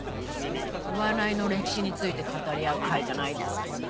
お笑いの歴史について語り合う会じゃないですよね。